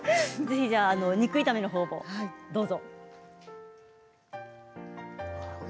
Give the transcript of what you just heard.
肉炒めのほうもどうぞ。